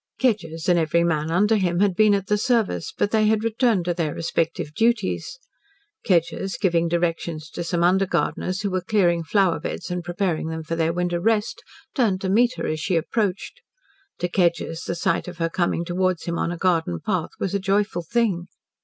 Kedgers and every man under him had been at the service, but they had returned to their respective duties. Kedgers, giving directions to some under gardeners who were clearing flower beds and preparing them for their winter rest, turned to meet her as she approached. To Kedgers the sight of her coming towards him on a garden path was a joyful thing.